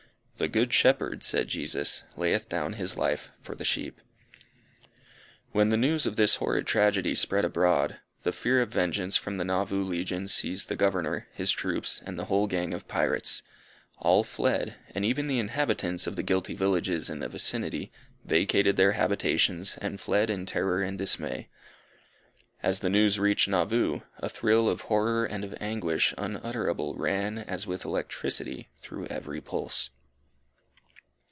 "The good shepherd," said Jesus, "layeth down his life for the sheep." When the news of this horrid tragedy spread abroad, the fear of vengeance from the Nauvoo legion seized the Governor, his troops, and the whole gang of pirates; all fled, and even the inhabitants of the guilty villages in the vicinity, vacated their habitations, and fled in terror and dismay. As the news reached Nauvoo, a thrill of horror and of anguish unutterable ran, as with electricity, through every pulse.